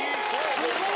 すごい！